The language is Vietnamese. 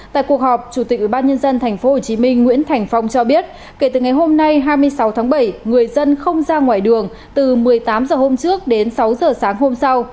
tại cuộc họp chủ tịch ubnd tp hcm nguyễn thành phong cho biết kể từ ngày hôm nay hai mươi sáu tháng bảy người dân không ra ngoài đường từ một mươi tám h hôm trước đến sáu h sáng hôm sau